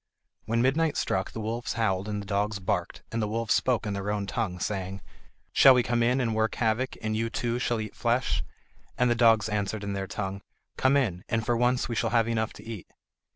When midnight struck the wolves howled and the dogs barked, and the wolves spoke in their own tongue, saying: "Shall we come in and work havoc, and you too shall eat flesh?" And the dogs answered in their tongue: "Come in, and for once we shall have enough to eat."